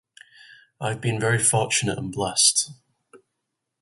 I've been very fortunate and blessed.